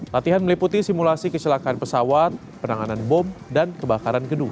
latihan meliputi simulasi kecelakaan pesawat penanganan bom dan kebakaran gedung